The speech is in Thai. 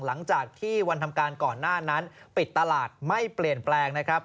หลังจากที่วันทำการก่อนหน้านั้นปิดตลาดไม่เปลี่ยนแปลงนะครับ